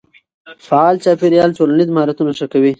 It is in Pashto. فعال چاپېريال ټولنیز مهارتونه ښه کوي.